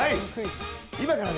今からね